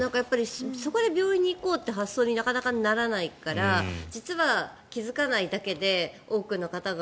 そこから病院に行こうって発想になかなかならないから実は気付かないだけで多くの方が